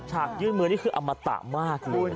ฉากยื่นมือนี่คืออมตะมากเลย